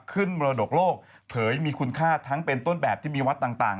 มรดกโลกเผยมีคุณค่าทั้งเป็นต้นแบบที่มีวัดต่าง